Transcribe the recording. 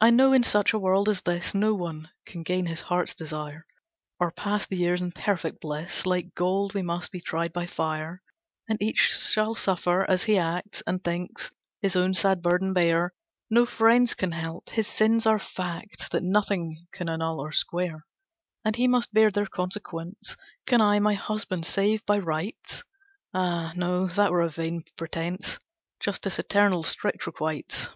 "I know in such a world as this No one can gain his heart's desire, Or pass the years in perfect bliss; Like gold we must be tried by fire; And each shall suffer as he acts And thinks, his own sad burden bear; No friends can help, his sins are facts That nothing can annul or square, And he must bear their consequence. Can I my husband save by rites? Ah, no, that were a vain pretence, Justice eternal strict requites.